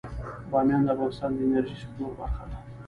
بامیان د افغانستان د انرژۍ سکتور برخه ده.